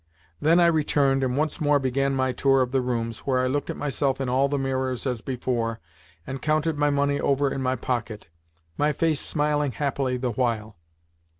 Then I returned and once more began my tour of the rooms, where I looked at myself in all the mirrors as before, and counted my money over in my pocket my face smiling happily the while.